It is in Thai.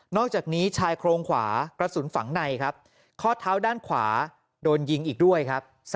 อกจากนี้ชายโครงขวากระสุนฝังในครับข้อเท้าด้านขวาโดนยิงอีกด้วยครับ